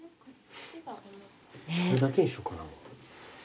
これだけにしようかな。